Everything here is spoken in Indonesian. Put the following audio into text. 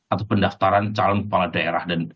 atau pendaftaran calon kepala daerah dan